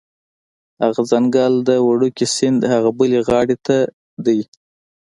هغه ځنګل د وړوکي سیند هغې بلې غاړې ته دی